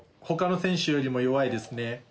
ほかの選手よりも弱いですね。